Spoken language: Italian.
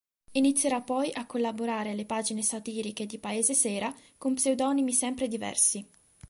Inizierà poi a collaborare alle pagine satiriche di "Paese Sera" con pseudonimi sempre diversi.